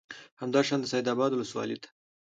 همدا شان د سید آباد ولسوالۍ ته